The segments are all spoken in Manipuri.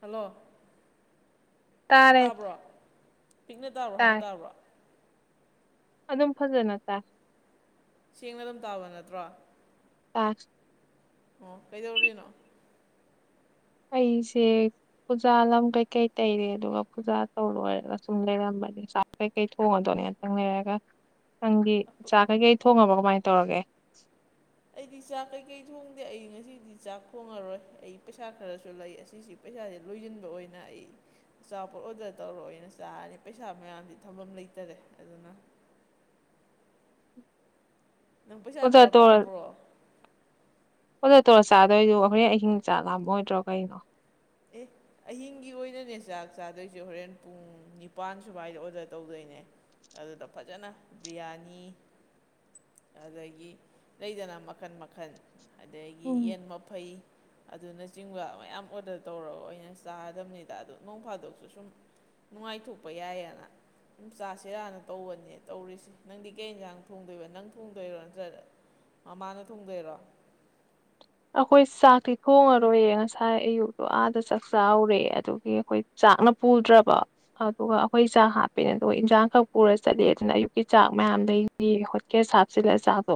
ꯍꯜꯂꯣ ꯇꯥꯔꯦ ꯇꯥꯕ꯭ꯔꯣ ꯄꯤꯛꯅ ꯇꯥꯕ꯭ꯔꯣ ꯍꯧꯅ ꯇꯥꯔꯦ ꯇꯥꯕ꯭ꯔꯣ? ꯑꯗꯨꯝ ꯐꯖꯅ ꯇꯥꯏ ꯁꯦꯡꯅ ꯑꯗꯨꯝ ꯇꯥꯕ ꯅꯠꯇ꯭ꯔꯣ ꯑ ꯑꯣ ꯀꯩꯗꯧꯔꯤꯅꯣ ꯑꯩꯩꯁꯦ ꯄꯨꯖꯥ ꯂꯝ ꯀꯩꯀꯩ ꯇꯩꯔꯦ ꯑꯗꯨꯒ ꯄꯨꯖꯥ ꯇꯧ ꯂꯣꯏꯔꯒ ꯁꯨꯝ ꯂꯩꯔꯝꯕꯅꯦ [unintelligible] ꯀꯩ ꯊꯣꯡꯉꯗꯣꯏꯅꯦ ꯉꯇꯪ ꯂꯩꯔꯒ ꯅꯪꯗꯤ ꯆꯥꯛ ꯀꯩꯀꯩ ꯊꯣꯡꯉꯕꯣ ꯀꯃꯥꯏꯅ ꯇꯧꯔꯒꯦ꯫ ꯑꯩꯗꯤ ꯆꯥꯛ ꯀꯩꯀꯩ ꯊꯣꯡꯗꯦ ꯑꯩ ꯉꯁꯤꯗꯤ ꯆꯥꯛ ꯊꯣꯡꯉꯔꯣꯏ ꯑꯩ ꯄꯩꯁꯥ ꯈꯔꯁꯨ ꯂꯩ ꯑꯁꯤꯁꯤ ꯄꯩꯁꯥꯁꯦ ꯂꯣꯏꯁꯤꯟꯕ ꯑꯣꯏꯅ ꯑꯩ ꯑꯆꯥꯄꯣꯠ ꯑꯣꯗꯔ ꯇꯧꯔꯒ ꯑꯣꯏꯅ ꯆꯥꯔꯦ ꯄꯩꯁꯥ ꯃꯌꯥꯝꯁꯦ ꯊꯝꯐꯝ ꯂꯩꯇꯔꯦ ꯑꯗꯨꯅ꯫ ꯅꯪ ꯄꯩꯁꯥ ꯈꯔ ꯑꯣꯗꯔ ꯇꯧꯔ ꯄꯥꯝꯕ꯭ꯔꯣ ꯑꯣꯗꯔ ꯇꯧ ꯆꯥꯗꯣꯏꯗꯣ ꯍꯣꯔꯦꯟ ꯑꯍꯤꯡ ꯆꯥꯛ ꯂꯥꯝꯃꯣꯏꯗ꯭ꯔꯣ ꯀꯩꯅꯣ꯫ ꯑꯦ ꯑꯍꯤꯡꯒꯤ ꯑꯣꯏꯅꯅꯦ ꯆꯥꯛ ꯆꯥꯗꯣꯏꯁꯦ ꯍꯣꯔꯦꯟ ꯄꯨꯡ ꯅꯤꯄꯥꯟ ꯁꯨꯃꯥꯏꯗ ꯑꯣꯗꯔ ꯇꯧꯗꯣꯏꯅꯦ꯫ ꯑꯗꯨꯗ ꯐꯖꯅ ꯕꯤꯔꯌꯥꯅꯤ ꯑꯗꯥꯒꯤ ꯂꯩꯗꯅ ꯃꯈꯜ -ꯃꯈꯜ ꯑꯗꯥꯒꯤ ꯎꯝ ꯌꯦꯟ ꯃꯐꯩ ꯑꯗꯨꯅꯆꯤꯡꯕ ꯃꯌꯥꯝ ꯑꯣꯗꯔ ꯇꯧꯔꯒ ꯑꯣꯏꯅ ꯆꯥꯗꯕꯅꯤꯗ ꯑꯗꯣ ꯅꯣꯡ ꯐꯥꯗꯣꯛꯁꯨ ꯁꯨꯝ ꯅꯨꯡꯉꯥꯏꯊꯣꯛꯄ ꯌꯥꯏꯌꯦꯅ꯫ ꯎꯝ ꯆꯥꯁꯤꯔꯅ ꯇꯧꯕꯅꯤ ꯇꯧꯔꯤꯁꯦ꯫ ꯅꯪꯗꯤ ꯀꯩ ꯌꯦꯟꯁꯥꯡ ꯊꯣꯡꯗꯣꯏꯕ ꯅꯪ ꯊꯣꯡꯗꯣꯏꯔꯣ ꯅꯠꯇ꯭ꯔꯒ ꯃꯃꯥꯅ ꯊꯣꯡꯗꯣꯏꯔꯣ ꯑꯩꯈꯣꯏ ꯆꯥꯛꯇꯤ ꯊꯣꯡꯉꯔꯣꯏꯌꯦ ꯉꯁꯥꯏ ꯑꯌꯨꯛꯇꯣ ꯑꯥꯗ ꯆꯥꯛ -ꯆꯥꯎꯔꯦ ꯑꯗꯨꯒꯤ ꯑꯩꯈꯣꯏ ꯆꯥꯛꯅ ꯄꯨꯗ꯭ꯔꯥꯕ ꯑꯗꯨꯒ ꯑꯩꯈꯣꯏ ꯆꯥꯛ ꯍꯥꯞꯄꯦꯅꯦ ꯇꯧꯑꯦ ꯏꯟꯖꯥꯡ ꯈꯛ ꯄꯨꯔ ꯆꯠꯂꯦ ꯑꯗꯨꯅ ꯑꯌꯨꯛꯀꯤ ꯆꯥꯛ ꯃꯌꯥꯝ ꯂꯩ꯫ ꯍꯣꯠꯀꯦꯖ ꯍꯥꯞꯆꯤꯜꯂꯦ ꯆꯥꯛꯇꯣ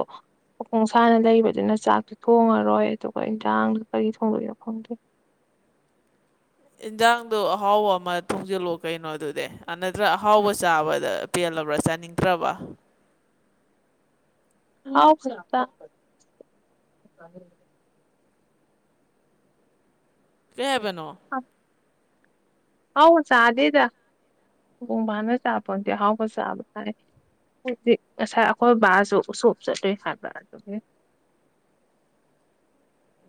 ꯃꯈꯣꯡ ꯁꯥꯥꯅ ꯂꯩꯕꯗꯨꯅ ꯆꯥꯛꯇꯣ ꯊꯣꯡꯉꯔꯣꯏ꯫ ꯑꯗꯨꯒ ꯏꯟꯖꯥꯡꯗꯣ ꯀꯔꯤ ꯊꯣꯡꯗꯣꯏꯅꯣ ꯈꯪꯗꯦ꯫ ꯏꯟꯁꯥꯡꯗꯣ ꯑꯍꯥꯎꯕ ꯑꯃ ꯊꯣꯡꯖꯤꯜꯂꫭ ꯀꯩꯅꯣꯗꯨꯗꯤ ꯑꯅꯥꯔꯗ꯭ꯔ ꯑꯍꯥꯎꯕ ꯆꯥꯕꯗ ꯄꯦꯜꯂꯕ꯭ꯔꯥ ꯆꯥꯅꯤꯡꯗ꯭ꯔꯥꯕ꯫ ꯍꯥꯎ ꯈꯠꯇꯥ ꯀꯩ ꯍꯥꯏꯕꯅꯣ ꯑꯁ ꯑꯍꯥꯎꯕ ꯆꯥꯗꯦꯗꯥ ꯈꫭꯡꯕꯥꯟꯗꯥ ꯇꯥꯕ ꯄꫭꯠ ꯅꯠꯇꯦ ꯑꯍꯥꯎ ꯆꯥꯕ ꯀꯥꯏ ꯍꯧꯖꯤꯛ ꯉꯁꯥꯏ ꯑꯩꯈꯣꯏ ꯕꯥꯁꯨ ꯎ ꯁꯣꯞ ꯆꯠꯂꯩ ꯍꯥꯏꯕꯔꯥ ꯑꯗꯨꯒꯤ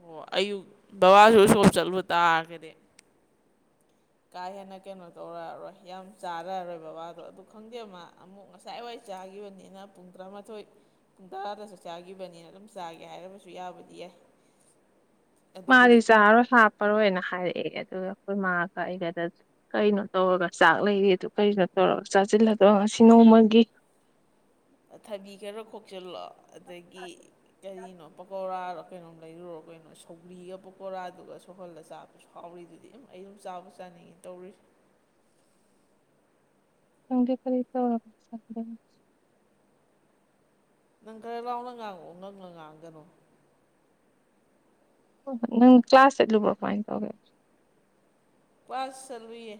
ꯑꯣ ꯑꯌꯨꯛ ꯕꯕꯥꯁꯨ ꯎ-ꯁꯣꯞ ꯆꯠꯂꯨ ꯇꯥꯔꯒꯗꯤ꯫ ꯀꯥ ꯍꯦꯟꯅ ꯀꯩꯅꯣ ꯇꯧꯔꯛꯔꯣꯏ ꯌꯥꯝ ꯆꯥꯔꯔꯣꯏ ꯕꯕꯥꯗꯣ ꯑꯗꯨ ꯈꯪꯗꯦ ꯃꯥ ꯑꯃꯨꯛ ꯉꯁ ꯁꯥꯏ ꯋꯥꯏ ꯆꯥꯈꯤꯕꯅꯤꯅ ꯄꯨꯡ ꯇꯔꯥꯃꯥꯊꯣꯏ ꯉꯟꯇꯥꯗ ꯆꯥꯛ ꯆꯥꯈꯤꯕꯅꯤꯅ ꯑꯗꯨꯝ ꯆꯥꯒꯦ ꯍꯥꯏꯔꯕꯁꯨ ꯌꯥꯕꯨꯗꯤ ꯌꯥꯏ [inaudible] ꯃꯥꯗꯤ ꯑꯗꯨꯕꯨꯗꯤ ꯆꯥꯔꯣꯏ ꯍꯥꯞꯄꯔꯣꯏꯅ ꯍꯥꯏꯔꯛꯑꯦ ꯑꯗꯨꯒ ꯑꯩꯈꯣꯏ ꯃꯥꯒ ꯑꯩꯒꯗꯥ ꯀꯩꯅꯣ ꯇꯧꯔꯒ ꯆꯥꯛ ꯂꯩꯔꯤ ꯑꯗꯨ ꯀꯅꯣ ꯇꯧꯔꯒ ꯆꯥꯁꯤꯜꯂꯗꯣ ꯉꯁꯤ ꯅꯣꯡꯃꯒꯤ ꯊꯥꯕꯤ ꯈꯔ ꯈꯣꯛꯆꯤꯜꯂꯣ ꯑꯗꯥꯒꯤ ꯀꯔꯤꯅꯣ ꯄꯥꯎꯀꯧꯔꯥꯔꯣ ꯀꯩꯅꯣꯝ ꯂꯩꯔꯨꯔꯣ ꯀꯩꯅꯣ ꯁꯧꯒ꯭ꯔꯤꯒ ꯄꯥꯎꯀꯧꯔꯥꯗꯨꯒ ꯁꯧꯍꯜꯂ ꯆꯥꯕ ꯍꯥꯎꯔꯤꯗꯨꯗꯤ ꯎꯝ ꯑꯩ ꯑꯗꯨꯝ ꯆꯥꯕꯨ ꯆꯥꯅꯤꯡꯉꯤ ꯇꯧꯔꯤꯁꯤ ꯈꯪꯗꯦ ꯀꯔꯤ ꯇꯧ [unintelligible] ꯅꯪ ꯈꯔꯥ ꯂꯥꯎꯅ ꯉꯥꯡꯉꯛꯑꯣ ꯉꯥꯛꯅ ꯉꯥꯡꯒꯅꯨ ꯑꫭ ꯅꯪ ꯀ꯭ꯂꯥꯁ ꯆꯠꯂꯨꯕ꯭ꯔꯣ ꯀꯃꯥꯏ ꯇꯧꯒꯦ꯫ ꯀ꯭ꯂꯥꯁ ꯆꯠꯂꯨꯏꯌꯦ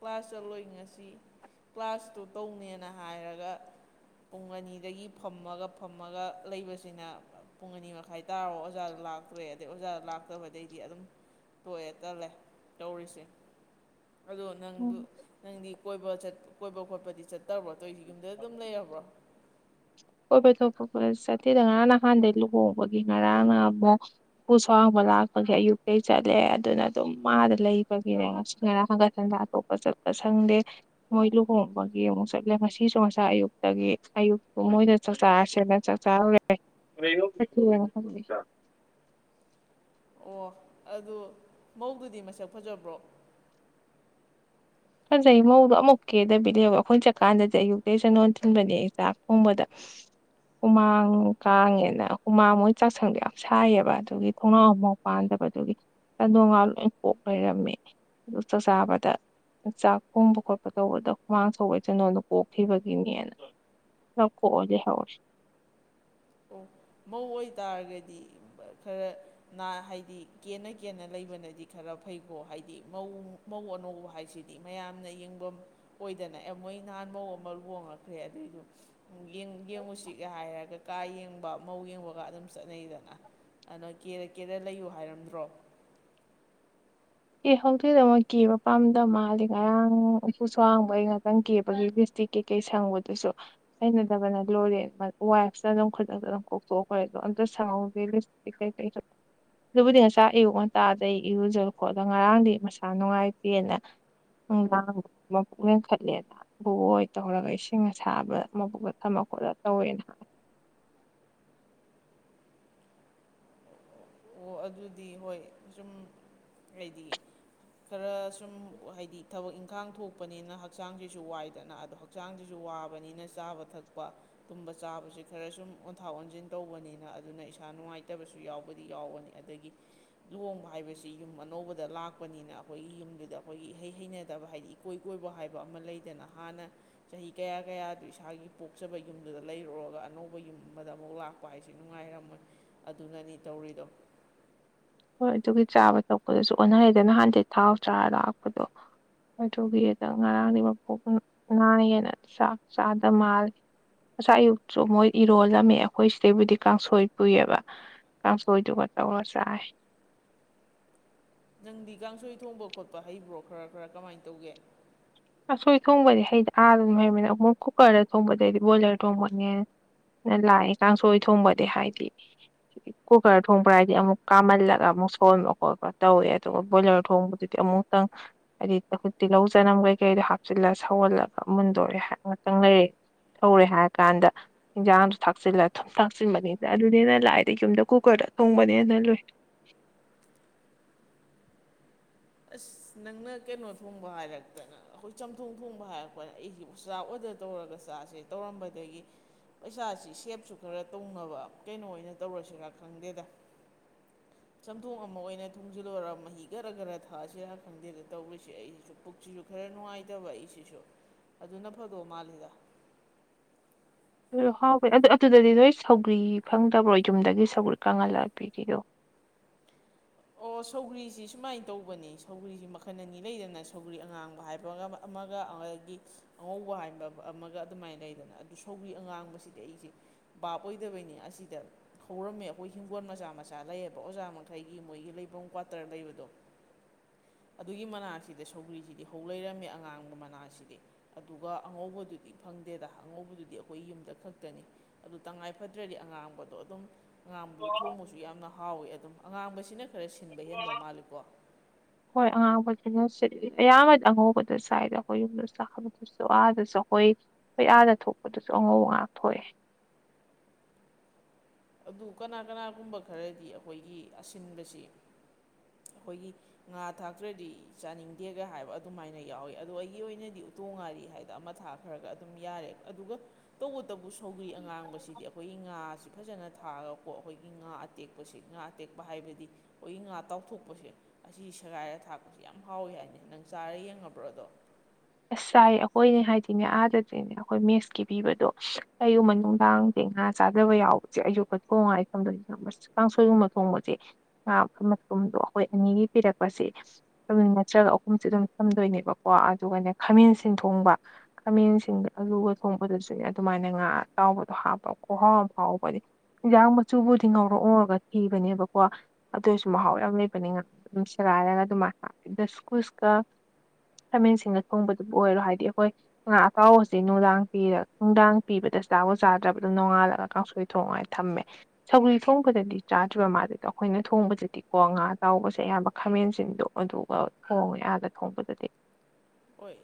ꯀ꯭ꯂꯥꯁ ꯆꯠꯂꯣꯏ ꯉꯁꯤ꯫ ꯀ꯭ꯂꯥꯁꯇꯨ ꯇꯧꯅꯦꯅ ꯍꯥꯏꯔꯒ ꯄꯨꯡ ꯑꯅꯤꯗꯒꯤ ꯐꯝꯃꯒ ꯐꯝꯃꯒ ꯂꯩꯕꯁꯤꯅ ꯄꯨꯡ ꯑꯅꯤ ꯃꯈꯥꯏ ꯇꯔꯥꯕꯥꯎ ꯑꯣꯖꯥꯗꯣ ꯂꯥꯛꯇ꯭ꯔꯦ ꯑꯗꯩ ꯑꯣꯖꯥꯗꯣ ꯂꯥꯛꯇꯕꯗꯩꯗꯤ ꯑꯗꯨꯝ ꯇꯣꯛꯑꯦ ꯇꯠꯂꯦ ꯇꯧꯔꯤꯁꯦ ꯑꯗꯣ ꯅꯪꯗꯨ ꯅꯪꯗꯤ ꯀꯣꯏꯕ ꯆꯠ ꯀꯣꯏꯕ ꯈꯣꯠꯄꯗꯤ ꯆꯠ- ꯇ꯭ꯔꯕꯣ ꯇꯣꯏ ꯌꯨꯝꯗ ꯑꯗꯨꯝ ꯂꯩꯔꯕ꯭ꯔꯣ ꯀꯣꯏꯕ ꯊꯣꯛꯄ ꯄꯥꯛꯅ ꯆꯠꯇꯦꯗ ꯉꯔꯥꯡ ꯅꯍꯥꯟꯗꯩ ꯂꯨꯍꯣꯡꯕꯒꯤ ꯉꯔꯥꯡ ꯑꯗꯥ ꯄꯨꯨ ꯁꯣꯍꯥꯡꯕ ꯂꯥꯛꯄꯒꯤ ꯑꯌꯨꯛꯇꯩ ꯆꯠꯂꯦ ꯑꯗꯨꯅ ꯑꯗꯨꯝ ꯃꯥꯗ ꯂꯩꯕꯒꯤꯅꯦ ꯉꯁ ꯉꯔꯥꯡ ꯍꯪꯒꯠ ꯍꯟꯗꯥ ꯑꯇꯣ ꯄꯥ ꯆꯠꯄ ꯁꯪꯗꯦ ꯃꯣꯏ ꯂꯨꯍꯣꯡꯕꯒꯤ ꯑꯃꯨꯛ ꯆꯠꯂꯦ ꯉꯁꯤꯁꯨ ꯉꯁꯥꯏ ꯑꯌꯨꯛꯇꯒꯤ ꯑꯌꯨꯛ ꯃꯣꯏꯗ ꯆꯥꯛ ꯆꯥꯔꯁꯦꯅ ꯆꯥꯛ ꯆꯔꯨꯔꯦ [unintelligible] ꯑꯣ ꯑꯗꯨ ꯃꯧꯗꯨꯗꯤ ꯃꯁꯛ ꯐꯖꯕ꯭ꯔꯣ ꯐꯖꯩ ꯃꯧꯗꯣ ꯑꯃꯨꯛ ꯀꯦꯗꯕꯤꯗꯦꯕ ꯑꯈꯣꯏ ꯆꯠꯀꯥꯟꯗꯗꯤ ꯑꯌꯨꯛꯇꯩ ꯆꯟꯗꯣꯟ ꯊꯤꯟꯕꯅꯦ ꯑꯩ ꯆꯥꯛ ꯊꯣꯡꯕꯗ ꯍꯨꯃꯥꯡ ꯀꯥꯡꯉꯦꯅ ꯍꯨꯃꯥꯡ ꯃꯣꯏ ꯆꯥꯛꯁꯪꯗꯣ ꯌꯥꯝ ꯁꯥꯏꯌꯦꯕ ꯑꯗꯨꯒꯤ ꯊꯣꯡꯅꯥꯎ ꯑꯝꯃꯥꯎ ꯄꯥꯟꯗꯕꯗꯨꯒꯤ ꯆꯟꯗꯣꯡ ꯉꯥ ꯂꯣꯏ ꯀꯣꯛ ꯂꯩꯔꯝꯃꯦ ꯑꯗꯨ ꯆꯥꯛꯆꯥꯥꯕꯗ ꯆꯥꯛ ꯊꯣꯡꯕ ꯈꯣꯠꯄ ꯇꯧꯕꯗ ꯍꯨꯃꯥꯡ ꯁꯧꯕꯩ ꯆꯟꯗꯣꯟꯗꯣ ꯀꯣꯛꯈꯤꯕꯒꯤꯅꯦꯅ ꯂꯝ ꯀꯣꯛꯑꯒ ꯂꯩꯍꯧꯋꯦ ꯑꯣ ꯃꯧ ꯑꯣꯏꯇꯥꯔꯒꯗꯤ ꯈꯔ ꯅꯥ ꯍꯥꯏꯗꯤ ꯀꯦꯅ ꯀꯦꯅ ꯂꯩꯕꯅꯗꯤ ꯈꯔ ꯐꯩꯀꯣ ꯍꯥꯏꯗꯤ ꯃꯧ ꯃꯧ ꯑꯅꯧꯕ ꯍꯥꯏꯁꯤꯗꯤ ꯃꯌꯥꯝꯅ ꯌꯦꯡꯐꯝ ꯑꯣꯏꯗꯅ ꯑꯦ ꯃꯣꯏ ꯅꯍꯥꯟ ꯃꯧ ꯑꯃ ꯂꯣꯍꯣꯡꯉꯛꯈ꯭ꯔꯦ ꯑꯗꯨꯏꯗꯨ ꯌꯦꯡ ꯌꯦꯡꯉꯨꯁꯤꯒ ꯍꯥꯏꯔꯒ ꯀꯥ ꯌꯦꯡꯕ ꯃꯧ ꯌꯦꯡꯕꯒ ꯑꯗꯨꯝ ꯆꯠꯅꯩꯗꯅ ꯑꯅꯥ ꯀꯦꯔꯥ ꯀꯦꯔꯥ ꯂꯩꯌꯨ ꯍꯥꯏꯔꯝꯗ꯭ꯔꯣ ꯑꯦ ꯍꯧꯗꯦꯗ ꯃꯣꯏ ꯀꯦꯕ ꯄꯥꯝꯗꯕ ꯃꯥꯜꯂꯤ ꯉꯔꯥꯡ ꯎꯄꯨ ꯁꯣ ꯍꯥꯡꯕꯩ ꯉꯥꯛꯇꯪ ꯀꯦꯕꯒꯤ ꯏꯁꯇꯤꯛ ꯀꯩ ꯀꯩ ꯁꯪꯕꯗꯨꯁꯨ ꯍꯩꯅꯗꯕꯅ ꯂꯣꯏꯔꯦ ꯋꯥꯏꯐꯇ ꯑꯗꯨꯝ ꯈꯨꯗꯛꯇ ꯑꯗꯨꯝ ꯀꯣꯛꯊꯣꯛꯈꯣꯏ ꯑꯗꯣ ꯑꯝꯇ ꯁꯪꯍꯧꯒꯦ ꯂꯤꯞ ꯀꯩ ꯀꯩꯗꯣ ꯑꯗꯨꯕꯨꯗꯤ ꯉꯁꯥꯏ ꯑꯌꯨꯛ ꯉꯟꯇꯥꯗꯩ ꯏꯔꯨꯖꯥ ꯈꯣꯗꯥ ꯉꯔꯥꯡꯗꯤ ꯃꯁꯥ ꯅꯨꯡꯉꯥꯏꯇꯦꯅ ꯅꯨꯡꯗꯥꯡ ꯃꯕꯨꯛ ꯂꯦꯟꯈꯠꯂꯦꯅ ꯕꯨꯕꯣꯛ ꯍꯣꯏ ꯇꯧꯔꯒ ꯏꯁꯤꯡ ꯑꯁꯥꯕ ꯃꯕꯨꯛ ꯊꯝꯃ ꯈꯣꯠꯂ ꯇꯧꯋꯦꯅ ꯍꯥꯏ ꯑꯣ ꯑꯗꯨꯗꯤ ꯍꯣꯏ ꯖꯨꯝ ꯍꯥꯏꯗꯤ ꯈꯔ ꯁꯨꯝ ꯍꯥꯏꯗꯤ ꯊꯕꯛ ꯏꯪꯈꯥꯡ ꯊꯣꯛꯄꯅꯤꯅ ꯍꯛꯆꯥꯡꯁꯤꯁꯨ ꯋꯥꯏꯗꯅ ꯑꯗꯣ ꯍꯛ- ꯆꯥꯡꯁꯤꯁꯨ ꯋꯥꯕꯅꯤꯅ ꯆꯥꯕ ꯊꯛꯄ ꯇꯨꯝꯕ ꯆꯥꯕꯁꯤ ꯈꯔ ꯁꯨꯝ ꯑꯣꯟꯊꯥ ꯑꯣꯟꯖꯤꯟ ꯇꯧꯕꯅꯤꯅ ꯑꯗꯨꯅ ꯏꯁꯥ ꯅꯨꯡꯉꯥꯏꯇꯕꯁꯨ ꯌꯥꯎꯕꯗꯤ ꯌꯥꯎꯕꯅꯤ ꯑꯗꯒꯤ ꯂꯨꯍꯣꯡꯕ ꯍꯥꯏꯕꯁꯤ ꯌꯨꯝ ꯑꯅꯧꯕꯗ ꯂꯥꯛꯄꯅꯤꯅ ꯑꯩꯈꯣꯏꯒꯤ ꯌꯨꯝꯗꯨꯗ ꯑꯩꯈꯣꯏꯒꯤ ꯏ ꯍꯩ ꯍꯩꯅꯗꯕ ꯍꯥꯏꯗꯤ ꯀꯣꯏ ꯀꯣꯏꯕ ꯍꯥꯏꯕ ꯑꯃ ꯂꯩꯗꯅ ꯍꯥꯟꯅ ꯆꯍꯤ ꯀꯌꯥ ꯀꯌꯥꯗꯨ ꯏꯁꯥꯒꯤ ꯄꯣꯛꯆꯕ ꯌꯨꯝꯗꯨꯗ ꯂꯩꯔꯨꯔꯒ ꯑꯅꯧꯕ ꯌꯨꯝ ꯑꯃꯗ ꯑꯃꯨꯛ ꯂꯥꯛ- ꯄꯥꯏꯁꯦ ꯅꯨꯡꯉꯥꯏꯔꯝꯃꯣꯏ ꯑꯗꯨꯅꯅꯤ ꯇꯧꯔꯤꯗꯣ ꯍꯣꯏ ꯑꯗꯨꯒꯤ ꯆꯥꯕ ꯊꯛꯄꯗꯁꯨ ꯑꯣꯟꯅꯔꯦꯗꯅ ꯍꯥꯟꯗꯤ ꯊꯥꯎ ꯆꯥꯔ ꯂꯥꯛꯄꯗꯣ ꯑꯗꯨꯒꯤꯗ ꯉꯔꯥꯡꯗꯤ ꯃꯄꯨꯛ ꯅꯥꯏꯌꯦꯅ ꯆꯥꯛ ꯆꯥꯗ ꯃꯥꯜꯂꯦ ꯉꯆꯥꯏ ꯑꯌꯨꯛꯁꯨ ꯃꯣꯏ ꯏꯔꯣꯜꯂꯝꯃꯦ ꯑꯈꯣꯏ ꯁꯤꯗꯩꯕꯨꯗꯤ ꯀꯥꯡꯁꯣꯏ ꯄꯨꯏꯌꯦꯕ ꯀꯥꯡꯁꯣꯏꯗꯨꯒ ꯇꯧꯔ ꯆꯥꯏ ꯅꯪꯗꯤ ꯀꯥꯡꯁꯣꯏ ꯊꯣꯡꯕ ꯈꯣꯠꯄ ꯍꯩꯕ꯭ꯔꯣ ꯈꯔ ꯈꯔ ꯀꯃꯥꯏꯅ ꯇꯧꯒꯦ ꯑꯁꯣꯏ ꯊꯣꯡꯕꯗꯤ ꯍꯩꯗꯥ ꯑꯥꯗ ꯗꯨꯝ ꯍꯩꯃꯤꯅ ꯃꯣꯏ ꯀꯨꯀꯔꯗ ꯊꯣꯡꯕꯗꯩꯗꯤ ꯕꯣꯏꯂꯔ ꯊꯣꯡꯕꯅꯦ ꯂꯥꯏꯑꯦ ꯀꯥꯡꯁꯣꯏ ꯊꯣꯡꯕꯗꯤ ꯍꯥꯏꯗꯤ ꯀꯨꯀꯔ ꯊꯣꯡꯕ꯭ꯔꯥ ꯍꯥꯏꯗꯤ ꯑꯃꯨꯛ ꯀꯥꯝꯍꯜꯂꯒ ꯑꯃꯨꯛ ꯁꯣꯟꯕ ꯈꯣꯠꯄ ꯇꯧꯋꯦ ꯑꯗꯨꯒ ꯕꯣꯏꯂꯔ ꯊꯣꯡꯕꯗꯨꯗꯤ ꯑꯃꯨꯛꯇꯪ ꯍꯥꯏꯗꯤ ꯇꯤꯜꯍꯧ ꯆꯅꯝ ꯀꯩꯀꯩꯗꯣ ꯍꯥꯞꯆꯤꯜꯂ ꯁꯧꯍꯜꯂꯒ ꯃꯨꯟꯗꯣꯔꯦ ꯍꯥꯏ ꯉꯇꯪ ꯂꯩꯔꯑꯦ ꯁꯧꯔꯦ ꯍꯥꯏꯔ ꯀꯥꯟꯗ ꯏꯟꯁꯥꯡꯗ ꯊꯥꯛꯆꯤꯜꯂ ꯊꯨꯝ ꯊꯥꯛꯆꯤꯟꯕꯅꯤꯗ ꯑꯗꯨꯅꯤꯅ ꯂꯥꯛꯑꯗ ꯌꯨꯝꯗ ꯀꯨꯀꯔꯗ ꯊꯣꯡꯕꯅ ꯍꯦꯟꯅ ꯂꯨꯏ ꯑꯁ ꯅꯪꯅ ꯀꯩꯅꯣ ꯊꯣꯡꯕ ꯍꯥꯏꯔꯛꯇꯅ ꯑꯩꯈꯣꯏ ꯆꯝꯊꯣꯡ ꯊꯣꯡꯕ ꯍꯥꯏꯔꯛꯄꯅ ꯑꯩꯁꯤ ꯆꯥꯛ ꯑꯣꯗꯔ ꯇꯧꯔꯒ ꯆꯥꯁꯦ ꯇꯧꯔꯝꯕꯗꯒꯤ ꯄꯩꯁꯥꯁꯤ ꯁꯦꯞꯁꯨ ꯈꯔ ꯇꯧꯅꯕ ꯀꯩꯅꯣ ꯑꯣꯏꯅ ꯇꯧꯔꯁꯤꯔ ꯈꯪꯗꯦꯗ ꯆꯝꯊꯣꯡ ꯑꯃ ꯑꯣꯏꯅ ꯊꯣꯡꯖꯤꯜꯂꯣꯏꯔ ꯃꯍꯤ ꯒꯔ ꯒꯔ ꯊꯥꯑꯁꯤꯔ ꯈꯪꯗꯦꯗ ꯇꯧꯔꯤꯁꯦ ꯑꯩꯁꯤꯁꯨ ꯄꯨꯛꯁꯤꯁꯨ ꯈꯔ ꯅꯨꯡꯉꯥꯏꯇꯕ ꯑꯩꯁꯤꯁꯨ ꯑꯗꯨꯅ ꯐꯗꯣ ꯃꯥꯜꯂꯤꯗ ꯍ ꯍꯥꯎꯕꯦ ꯑꯗꯨꯗ ꯑꯗꯨꯗꯗꯤ ꯅꯣꯏ ꯁꯧꯒ꯭ꯔꯤ ꯐꯪꯗꯕ꯭ꯔꯣ ꯌꯨꯝꯗꯒꯤ ꯁꯧꯒ꯭ꯔꯤ ꯀꯪꯍꯜꯂꯛ ꯄꯔꯤꯗꯣ ꯑꯣ ꯁꯧꯒ꯭ꯔꯤꯁꯤ ꯁꯨꯃꯥꯏꯅ ꯇꯧꯕꯅꯤ ꯁꯧꯒ꯭ꯔꯤꯁꯤ ꯃꯈꯜ ꯑꯅꯤ ꯂꯩꯗꯅ ꯁꯧꯒ꯭ꯔꯤ ꯑꯉꯥꯡꯕ ꯍꯥꯏꯕꯒ ꯑꯃꯒ ꯑꯗꯒꯤ ꯑꯉꯧꯕ ꯍꯥꯏꯕ ꯑꯃꯒ ꯑꯗꯨꯃꯥꯏꯅ ꯂꯩꯗꯅ ꯑꯗꯨ ꯁꯧꯒꯔꯤ ꯑꯉꯥꯡꯕꯁꯤꯗꯤ ꯑꯩꯁꯦ ꯕꯥꯞ ꯑꯣꯏꯗꯕꯩꯅꯤ ꯑꯁꯤꯗ ꯍꯧꯔꯝꯃꯦ ꯑꯩꯈꯣꯏ ꯍꯤꯡꯒꯣꯜ ꯃꯆꯥ ꯃꯆꯥ ꯂꯩꯌꯦꯕ ꯑꯣꯖꯥ ꯃꯈꯩ ꯏꯒꯤ ꯃꯣꯏꯒꯤ ꯂꯩꯐꯝ ꯀ꯭ꯋꯥꯇꯔ ꯂꯩꯕꯗꯣ ꯑꯗꯨꯒꯤ ꯃꯅꯥꯛꯁꯤꯗ ꯁꯧꯒ꯭ꯔꯤꯁꯤꯗꯤ ꯍꯧ ꯂꯩꯔꯝꯃꯤ ꯑꯉꯥꯡꯕ ꯃꯅꯥꯁꯤꯗꯤ ꯑꯗꯨꯒ ꯑꯉꯧꯕꯗꯨꯗꯤ ꯐꯪꯗꯦꯗ ꯑꯉꯧꯕꯗꯨꯗꯤ ꯑꯩꯈꯣꯏ ꯌꯨꯝꯗ ꯈꯛꯇꯅꯤ ꯑꯗꯨ ꯇꯉꯥꯏ ꯐꯗ꯭ꯔꯗꯤ ꯑꯉꯥꯡꯕꯗꯣ ꯑꯗꯨꯝ ꯑꯉꯥꯡꯕꯗꯨ ꯊꯣꯡꯕꯁꯨ ꯌꯥꯝꯅ ꯍꯥꯎꯋꯤ ꯑꯗꯨꯝ ꯑꯉꯥꯡꯕꯁꯤꯅ ꯈꯔ ꯁꯤꯟꯕ ꯍꯦꯟꯕ ꯃꯥꯜꯂꯤꯀꯣ ꯍꯣꯏ ꯑꯉꯥꯡꯕꯁꯤꯅ ꯁꯤꯟꯂꯤ ꯑꯌꯥꯝꯕꯗꯤ ꯑꯉꯧꯕꯗ ꯆꯥꯏꯗ ꯑꯩꯈꯣꯏ ꯌꯨꯝꯗ ꯆꯥꯕ ꯑꯗꯨꯁꯨ ꯑꯥꯗꯁꯨ ꯑꯩꯈꯣꯏ ꯑꯩꯈꯣꯏ ꯑꯥꯗ ꯊꯣꯛꯄꯗꯁꯨ ꯑꯉꯧꯕ ꯉꯥꯛ ꯊꯣꯛꯑꯦ ꯑꯗꯨ ꯀꯅꯥ ꯀꯅꯥꯒꯨꯝꯕ ꯈꯔꯗꯤ ꯑꯩꯈꯣꯏꯒꯤ ꯑꯁꯤꯟꯕꯁꯤ ꯑꯩꯈꯣꯏꯒꯤ ꯉꯥ ꯊꯥꯛꯇ꯭ꯔꯗꯤ ꯆꯥꯅꯤꯡꯗꯦꯒ ꯍꯥꯏꯕ ꯑꯗꯨꯃꯥꯏꯅ ꯌꯥꯎꯋꯤ ꯑꯗꯣ ꯑꯩꯒꯤ ꯑꯣꯏꯅꯗꯤ ꯇꯣꯡꯉꯥꯏꯔꯤ ꯍꯥꯏꯗꯅ ꯑꯃ ꯊꯥꯈ꯭ꯔꯒ ꯑꯗꯨꯝ ꯌꯥꯔꯦ ꯑꯗꯨꯒ ꯇꯧꯕꯇꯕꯨ ꯁꯧꯒ꯭ꯔꯤ ꯑꯉꯥꯡꯕꯁꯤꯗꯤ ꯑꯩꯈꯣꯏꯒꯤ ꯉꯥꯁꯤ ꯐꯖꯅ ꯊꯥꯔꯒꯀꯣ ꯑꯩꯈꯣꯏꯒꯤ ꯉꯥ ꯑꯇꯦꯛꯄꯁꯤ ꯉꯥ ꯑꯇꯦꯛꯄ ꯍꯥꯏꯕꯗꯤ ꯑꯩꯈꯣꯏꯒꯤ ꯉꯥ ꯇꯥꯎꯊꯣꯛꯄꯁꯦ ꯑꯁꯤ ꯁꯦꯒꯥꯏꯔ ꯊꯥꯛꯄꯁꯦ ꯌꯥꯝ ꯍꯥꯎꯋꯤ ꯍꯥꯏꯅꯤ ꯅꯪ ꯆꯥꯔ ꯌꯦꯡꯉꯕ꯭ꯔꯗꯣ ꯑꯁ ꯆꯥꯏ ꯑꯩꯈꯣꯏꯅꯦ ꯍꯥꯏꯗꯤꯅꯦ ꯑꯥꯗꯇ꯭ꯔꯤꯅꯦ ꯑꯩꯈꯣꯏ ꯃꯦꯠꯁꯀꯤ ꯄꯤꯕꯗꯣ ꯀꯌꯨꯝꯕ ꯅꯨꯡꯗꯥꯡ ꯇ ꯉꯥ ꯆꯥꯗꯕ ꯌꯥꯎꯕꯁꯦ ꯑꯌꯨꯛꯄ ꯀꯣꯡꯉꯥꯏ ꯊꯝꯗꯣꯏꯁ ꯉꯃꯁꯦ ꯀꯥꯡꯁꯣꯏꯒꯨꯝꯕ ꯊꯣꯡꯕꯁꯦ ꯉꯥ ꯃꯇꯨꯝꯗꯣ ꯑꯩꯈꯣꯏ ꯑꯅꯤꯒꯤ ꯄꯤꯔꯛꯄꯁꯦ ꯈꯃꯤ ꯅꯠꯇ꯭ꯔꯒ ꯑꯍꯨꯝꯁꯦ ꯑꯗꯨꯝ ꯊꯝꯗꯣꯏꯅꯦꯕꯀꯣ ꯑꯗꯨꯒꯅꯦ ꯈꯥꯃꯦꯟ ꯁꯤꯟ ꯊꯣꯡꯕ ꯈꯥꯃꯦꯟꯁꯤꯡꯗ ꯑꯂꯨꯒ ꯊꯣꯡꯕꯗꯁꯨꯅꯦ ꯑꯗꯨꯃꯥꯏꯅ ꯉꯥ ꯑꯇꯥꯎꯕꯗꯣ ꯍꯥꯞꯄ ꯈꯍꯥꯎ ꯍꯥꯎꯕꯅꯤ ꯏꯟꯖꯥꯡ ꯃꯆꯨꯕꯨꯗꯤ ꯉꯧꯔꯛꯉꯧꯔꯒ ꯊꯤꯕꯅꯦꯕꯀꯣ ꯑꯗꯨ ꯑꯣꯏꯔꯁꯨ ꯃꯍꯥꯎ ꯌꯥꯝ ꯂꯩꯕꯅꯤ ꯉꯥ ꯑꯗꯨꯝ ꯁꯦꯒꯥꯏꯔꯒ ꯑꯗꯨꯃꯥꯏꯅ ꯗ ꯁꯀꯨꯁꯀ ꯈꯃꯦꯟꯁꯤꯡꯅ ꯊꯣꯡꯕꯗꯨꯕꯨ ꯑꯣꯏꯔꯣ ꯍꯥꯏꯗꯤ ꯑꯩꯈꯣꯏ ꯉ ꯑꯇꯥꯎꯕꯁꯦ ꯅꯨꯡꯗꯥꯡ ꯄꯤꯔꯒ ꯅꯨꯡꯗꯥꯡ ꯄꯤꯕꯗ ꯆ ꯆꯥꯕꯨ ꯆꯥꯗ꯭ꯔꯕꯗ ꯅꯣꯡꯉꯥꯜꯂꯒ ꯀꯥꯡꯁꯣꯏ ꯊꯣꯡꯉ ꯍꯥꯏꯦ ꯊꯝꯃꯦ ꯁꯧꯒ꯭ꯔꯤ ꯊꯣꯡꯕꯗꯗꯤ ꯆꯥꯗ꯭ꯔꯤꯕ ꯃꯥꯗꯨꯗ ꯑꯩꯈꯣꯏꯅ ꯊꯣꯡꯕꯗꯗꯤꯀꯣ ꯉꯥ ꯇꯥꯎꯕꯁꯦ ꯑꯌꯥꯝꯕ ꯈꯥꯃꯦꯟꯁꯤꯡꯗꯣ ꯑꯗꯨꯒ ꯈꯣꯡꯑꯦ ꯑꯥꯗ ꯊꯣꯡꯕꯗꯗꯤ ꯑꯣꯏ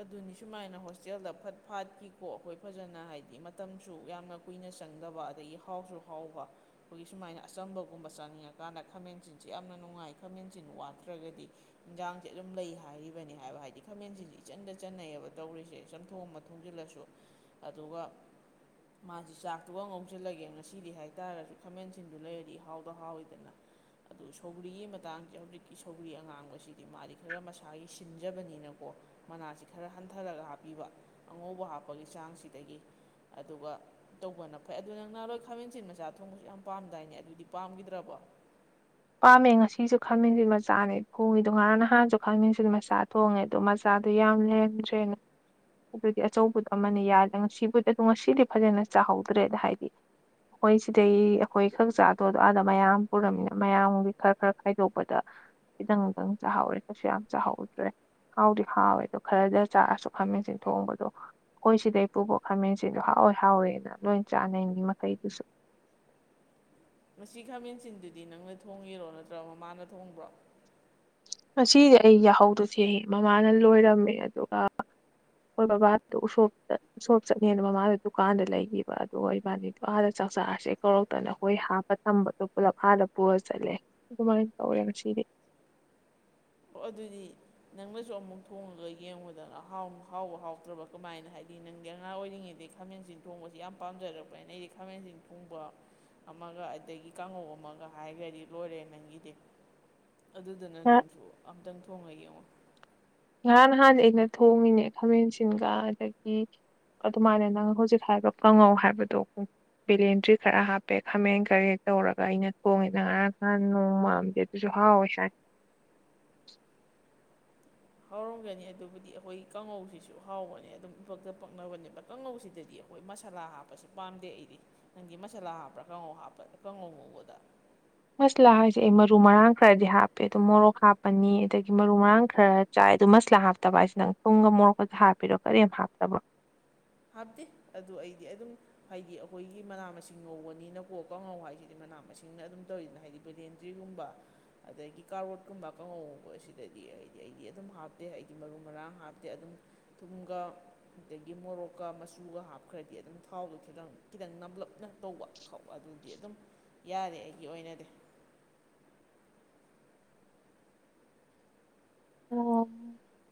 ꯑꯗꯨꯅꯤ ꯁꯨꯃꯥꯏꯅ ꯍꯣꯁꯇꯦꯜꯗ ꯐꯠ ꯐꯥꯠꯈꯤꯀꯣ ꯑꯩꯈꯣꯏ ꯐꯖꯅ ꯍꯥꯏꯗꯤ ꯃꯇꯝꯁꯨ ꯌꯥꯝꯅ ꯀꯨꯏꯅ ꯆꯪꯗꯕ ꯑꯗꯒꯤ ꯍꯥꯎꯁꯨ ꯍꯥꯎꯕ ꯑꯩꯈꯣꯏꯒꯤ ꯁꯨꯃꯥꯏꯅ ꯑꯆꯝꯕꯒꯨꯝꯕ ꯆꯥꯅꯤꯡꯉꯀꯥꯟꯗ ꯈꯥꯃꯦꯟ ꯆꯤꯟꯁꯤ ꯌꯥꯝꯅ ꯅꯨꯡꯉꯥꯏ ꯈꯥꯃꯦꯟ ꯆꯤꯟ ꯋꯥꯠꯇ꯭ꯔꯒꯗꯤ ꯏꯟꯖꯥꯡꯁꯤ ꯑꯗꯨꯝ ꯂꯩ ꯍꯥꯏꯔꯤꯕꯅꯤ ꯍꯥꯏꯕ ꯍꯥꯏꯗꯤ ꯈꯥꯃꯦꯟꯁꯤꯗꯤ ꯏꯆꯟꯗ ꯆꯟꯅꯩꯌꯦꯕ ꯇꯧꯔꯤꯁꯦ ꯆꯝꯊꯣꯛꯑ ꯑꯃ ꯊꯣꯡꯖꯤꯜꯂꯁꯨ ꯑꯗꯨꯒ ꯃꯥꯁꯨ ꯆꯥꯛꯇꯨꯒ ꯉꯧꯁꯤꯜꯂꯒꯦ ꯉꯁꯤꯗꯤ ꯍꯥꯏꯇꯥꯔꯒꯁꯨ ꯈꯥꯃꯦꯟꯁꯤꯟꯗꯨ ꯂꯩꯔꯗꯤ ꯍꯥꯎꯗ ꯍꯥꯎꯏꯤꯗꯅ ꯑꯗꯨ ꯁꯧꯒ꯭ꯔꯤꯒꯤ ꯃꯇꯥꯡꯁꯦ ꯍꯧꯖꯤꯛꯀꯤ ꯁꯧꯕꯒ꯭ꯔꯤ ꯑꯉꯥꯡꯕꯁꯤꯗꯤ ꯃꯥꯗꯤ ꯈꯔ ꯃꯁꯥꯒꯤ ꯁꯤꯟꯖꯕꯅꯤꯅꯀ ꯀꯣ ꯃꯅꯥꯁꯤ ꯈꯔ ꯍꯟꯊꯔꯒ ꯍꯥꯞꯄꯤꯕ ꯑꯉꯧꯕ ꯍꯥꯞꯄꯒꯤ ꯆꯥꯡꯁꯤꯗꯒꯤ ꯑꯗꯨꯒ ꯇꯧꯕꯅ ꯐꯩ ꯑꯗꯨ ꯅꯪ ꯅꯍꯥꯟꯔꯣꯏ ꯈꯥꯃꯦꯟꯁꯤꯟ ꯃꯆꯥ ꯊꯣꯡꯕꯁꯨ ꯌꯥꯝ ꯄꯥꯝꯗꯥꯏꯅꯦ ꯑꯗꯨꯗꯤ ꯄꯥꯝꯈꯤꯗ꯭ꯔꯕꯣ ꯄꯥꯝꯃꯦ ꯉꯁꯤꯁꯨ ꯈꯃꯦꯟꯃꯤꯟꯁꯤ ꯃꯆꯥꯅꯦ ꯊꯣꯡꯉꯤꯗꯣ ꯉꯔꯥꯡ ꯅꯍꯥꯟꯁꯨ ꯈꯥꯃꯦꯟꯃꯤꯟꯁꯤꯗꯤ ꯃꯆꯥ ꯊꯣꯡꯉꯦ ꯑꯗꯣ ꯃ ꯆꯥꯗꯣ ꯌꯥꯝ ꯂꯦꯟꯗ꯭ꯔꯦꯅ ꯑꯗꯨꯗꯤ ꯑꯆꯧꯕꯗꯣ ꯑꯃꯅ ꯌꯥꯗꯦ ꯉꯁꯤꯕꯨꯗꯤ ꯑꯣ ꯉꯁꯤꯗꯤ ꯐꯖꯅ ꯆꯥꯍꯧꯗ꯭ꯔꯦꯗ ꯍꯥꯏꯗꯤ ꯃꯣꯏ ꯁꯤꯗꯩ ꯑꯩꯈꯣꯏ ꯈꯛ ꯆꯥꯗꯣ ꯑꯥꯗ ꯃꯌꯥꯝ ꯄꯨꯔꯝꯃꯤꯅ ꯃꯌꯥꯝꯒꯤ ꯈꯔ ꯈꯔ ꯈꯥꯏꯗꯣꯛꯄꯗ ꯈꯤꯇꯪ ꯈꯤꯇꯪ ꯆꯥꯍꯧꯔꯦ ꯀꯩꯁꯨ ꯌꯥꯝ ꯆꯥꯍꯧꯗ꯭ꯔꯦ ꯍꯥꯎꯗꯤ ꯍꯥꯎꯋꯦ ꯑꯗꯣ ꯈꯔꯗ ꯆꯥꯔꯁꯨ ꯈꯥꯃꯦꯟꯁꯤꯟ ꯊꯣꯡꯕꯗꯣ ꯑꯩꯈꯣꯏ ꯁꯤꯗꯩ ꯄꯨꯕꯣꯛ ꯈꯥꯃꯦꯟꯁꯤꯗ ꯍꯥꯎꯋꯦ ꯍꯥꯎꯋꯦꯅ ꯂꯣꯏ ꯆꯥꯅꯩ ꯃꯤꯃꯈꯩꯗꯨꯁꯨ ꯉꯁꯤ ꯈꯥꯃꯦꯟꯁꯤꯟꯗꯨꯗꯤ ꯅꯪꯅ ꯊꯣꯡꯉꯤꯔꯣ ꯅꯠꯇ꯭ꯔꯒ ꯃꯃꯥꯅ ꯊꯣꯡꯕ꯭ꯔꯣ ꯉꯁꯤꯁꯦ ꯑꯩ ꯌꯥꯍꯧꯗꯣ ꯊꯦꯡꯉꯦ ꯃꯃꯥꯅ ꯂꯣꯏꯔꯝꯃꯦ ꯑꯗꯨꯒ ꯃꯣꯏ ꯕꯕꯥꯗꯣ ꯎꯁꯣꯞꯗ ꯁꯣꯞ ꯆꯠꯅꯦꯅ ꯃꯃꯥꯗ ꯗꯨꯀꯥꯟꯗ ꯂꯩꯈꯤꯕ ꯑꯗꯨꯒ ꯏꯕꯥꯅꯤꯗꯣ ꯑꯥꯗ ꯆꯥꯛ ꯆꯔꯁꯦ ꯀꯧꯔꯛꯇꯅ ꯑꯩꯈꯣꯏ ꯍꯥꯞꯄ ꯇꯝꯕꯗꯣ ꯄꯨꯂꯞ ꯑꯥꯗ ꯄꯨꯔ ꯆꯠꯂꯦ ꯑꯗꯨꯃꯥꯏꯅ ꯇꯧꯔꯦ ꯉꯁꯤꯗꯤ ꯑꯣ ꯑꯗꯨꯗꯤ ꯅꯪꯅꯁꯨ ꯑꯃꯨꯛ ꯊꯣꯡꯉꯒ ꯌꯦꯡꯉꯨꯗꯅ ꯍꯥꯎꯕ ꯍꯥꯎꯇ꯭ꯔꯕ ꯀꯃꯥꯏꯅ ꯍꯥꯏꯗꯤ ꯅꯪꯗꯤ ꯑꯉꯥꯡ ꯑꯣꯏꯔꯤꯉꯩꯗꯒꯤ ꯈꯥꯃꯦꯟꯁꯤꯟ ꯊꯣꯡꯕꯁꯤ ꯌꯥꯝ ꯄꯥꯝꯖꯔꯛꯄꯅꯦ ꯅ ꯑꯩꯗꯤ ꯈꯥꯃꯦꯟꯁꯤꯟ ꯊꯣꯡꯕ ꯑꯃꯒ ꯑꯗꯒꯤ ꯀꯥꯡꯉꯧ ꯑꯃꯒ ꯍꯥꯏꯒꯗꯤ ꯂꯣꯏꯔꯦ ꯅꯪꯒꯤꯗꯤ ꯑꯗꯨꯗꯨꯅ ꯈꯔ ꯅꯪꯁꯨ ꯑꯝꯇꯪ ꯊꯣꯡꯉ ꯌꯦꯡꯉꯣ ꯉꯔꯥꯡ ꯅꯍꯥꯟ ꯑꯩꯅ ꯊꯣꯡꯉꯤꯅꯦ ꯈꯥꯃꯦꯟꯁꯤꯟꯒ ꯑꯗꯒꯤ ꯑꯗꯨꯃꯥꯏꯅ ꯅꯪ ꯍꯧꯖꯤꯛ ꯍꯥꯏꯕ ꯀꯪꯉꯧ ꯍꯥꯏꯕꯗꯣ ꯕꯦꯂꯦꯟꯇ꯭ꯔꯤ ꯈꯔ ꯍꯥꯞꯄꯦ ꯈꯥꯃꯦꯟ ꯀꯔꯤ ꯇꯧꯔꯒ ꯑꯩꯅ ꯊꯣꯡꯉꯦꯗ ꯉꯔꯥꯡ ꯅꯍꯥꯟ ꯅꯣꯡ ꯃꯥꯝꯗꯦ ꯗꯨꯁꯨ ꯍꯥꯎꯣꯏ ꯁꯥꯏ ꯍꯥꯎꯔꯝꯒꯅꯤ ꯑꯗꯨꯕꯨꯗꯤ ꯑꯩꯈꯣꯏ ꯀꯥꯡꯉꯧꯁꯤꯁꯨ ꯍꯥꯎꯕꯅꯦ ꯑꯗꯨꯝ ꯏꯄꯛꯇ ꯄꯛꯅꯕꯅꯦꯕ ꯀꯥꯡꯉꯧꯁꯤꯗꯗꯤ ꯑꯩꯈꯣꯏ ꯃꯁꯥꯂꯥ ꯍꯥꯞꯄꯁꯦ ꯄꯥꯝꯗꯦ ꯑꯩꯗꯤ ꯅꯪꯒꯤ ꯃꯁꯥꯂꯥ ꯍꯥꯞꯄ꯭ꯔꯥ ꯀꯥꯡꯉꯧ ꯍꯥꯞꯄ ꯀꯥꯡꯉꯧ ꯉꯨꯕꯗ ꯃꯁꯂꯥ ꯍꯥꯏꯁꯦ ꯑꯩ ꯃꯔꯨ ꯃꯔꯥꯡ ꯈꯔꯗꯤ ꯍꯥꯞꯄꯦ ꯑꯗꯨꯝ ꯃꯣꯔꯣꯛ ꯍꯥꯞꯄꯅꯤ ꯑꯗꯒꯤ ꯃꯔꯨ ꯃꯔꯥꯡ ꯈꯔ ꯆꯥꯏ ꯑꯗꯨ ꯃꯁꯂꯥ ꯍꯥꯞꯇꯕ ꯍꯥꯏꯁꯤ ꯅꯪ ꯄꯨꯡꯒ ꯃꯣꯔꯣꯛꯀꯗ ꯍꯥꯞꯄꯤꯔꯣ ꯀꯔꯤꯝ ꯍꯥꯞꯇꯕ꯭ꯔꯣ ꯍꯥꯞꯇꯦ ꯑꯗꯨ ꯑꯩꯗꯤ ꯑꯗꯨꯝ ꯍꯥꯏꯗꯤ ꯑꯩꯈꯣꯏꯒꯤ ꯃꯅꯥ ꯃꯁꯤꯡ ꯉꯧꯕꯅꯤꯅꯀꯣ ꯀꯥꯡꯉꯧ ꯍꯥꯏꯁꯤꯗꯤ ꯃꯅꯥ ꯃꯁꯤꯡꯅ ꯑꯗꯨꯝ ꯇꯧꯔꯤꯗꯅ ꯍꯥꯏꯗꯤ ꯕꯤꯗꯦꯟꯗ꯭ꯔꯤꯒꯨꯝꯕ ꯑꯗꯒꯤ ꯀꯥꯔꯣꯠꯀꯨꯝꯕ ꯀꯥꯡꯉꯧꯒꯨꯝ ꯑꯁꯤꯗꯗꯤ ꯍꯥꯏꯗꯤ ꯑꯩꯗꯤ ꯑꯗꯨꯝ ꯍꯥꯞꯇꯦ ꯑꯩꯗꯤ ꯃꯔꯨ ꯃꯔꯥꯡ ꯍꯥꯞꯇꯦ ꯑꯗꯨꯝ ꯊꯨꯝꯒꯥ ꯑꯗꯒꯤ ꯃꯣꯔꯣꯛ ꯀ ꯃꯆꯨꯒ ꯍꯥꯞꯈ꯭ꯔꯗꯤ ꯑꯗꯨꯝ ꯊꯥꯎꯗꯣ ꯈꯤꯇꯪ ꯈꯤꯇꯪ ꯅꯝꯂꯞꯅ ꯇꯧꯕ ꯈꯥꯎ ꯑꯗꯨꯗꯤ ꯑꯗꯨꯝ ꯌꯥꯔꯦ ꯑꯩꯒꯤ ꯑꯣꯏꯅꯗꯤ ꯑꯣ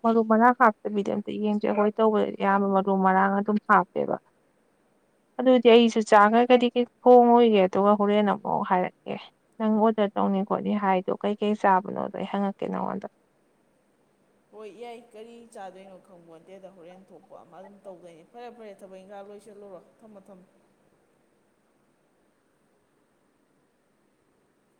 ꯃꯔꯨ ꯃꯔꯥꯡ ꯍꯥꯞꯇꯕꯤꯗꯤ ꯑꯝꯇ ꯌꯦꯡꯁꯦ ꯑꯩꯈꯣꯏ ꯇꯧꯕꯗꯗꯤ ꯑꯌꯥꯝꯕ ꯃꯔꯨ ꯃꯔꯥꯡ ꯑꯗꯨꯝ ꯍꯥꯞꯄꯦꯕ [inaudible] ꯑꯗꯨꯗꯤ ꯑꯩꯁꯨ ꯆꯥꯈ꯭ꯔꯒ ꯀꯔꯤ ꯀꯔꯤ ꯊꯣꯡꯉꯣꯏꯒꯦ ꯑꯗꯨꯒ ꯍꯣꯔꯦꯟ ꯑꯃꯐꯥꯎ ꯍꯥꯏꯔꯛꯀꯦ ꯅꯪ ꯑꯣꯔꯗꯔ ꯇꯧꯅꯤ ꯈꯣꯠꯅꯤ ꯍꯥꯏꯗꯣ ꯀꯩꯀꯩ ꯆꯥꯕꯅꯣꯗꯣ ꯑꯩ ꯍꯪꯛꯀꯦ ꯅꯪꯉꯣꯟꯗ ꯍꯣꯏ ꯌꯥꯏ ꯀꯔꯤ ꯆꯥꯗꯣꯏꯅꯣ ꯈꯪꯕꯣ ꯅꯠꯇꯦꯗ ꯍꯣꯔꯦꯟ ꯊꯣꯛꯄ ꯑꯃ ꯑꯗꯨꯝ ꯇꯧꯗꯣꯏꯅꯤ ꯐꯔꯦ ꯐꯔꯦ ꯊꯕꯛ ꯏꯪꯈꯥꯡ ꯂꯣꯏꯁꯤꯜꯂꯨꯔꯣ ꯊꯝꯃꯣ ꯊꯝꯃꯣ